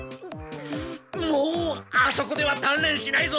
もうあそこでは鍛錬しないぞ！